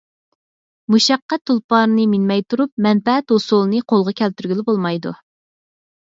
مۇشەققەت تۇلپارىنى مىنمەي تۇرۇپ مەنپەئەت ھوسۇلىنى قولغا كەلتۈرگىلى بولمايدۇ.